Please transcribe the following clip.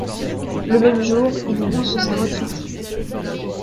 Le même jour, il annonce sa retraite.